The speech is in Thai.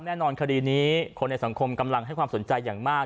แน่นอนคดีนี้คนในสังคมกำลังให้ความสนใจอย่างมาก